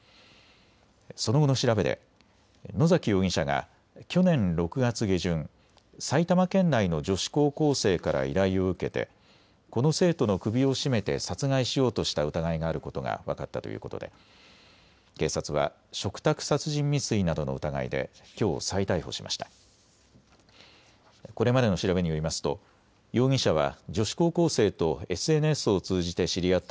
その後の調べで野崎容疑者が去年６月下旬、埼玉県内の女子高校生から依頼を受けてこの生徒の首を絞めて殺害しようとした疑いがあることが分かったということで警察は嘱託殺人未遂などの疑いできょう再逮捕しました。